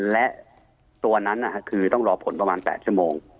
และตัวนั้นคือต้องรอผลประมาณ๘ชั่วโมง